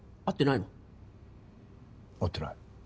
会ってない。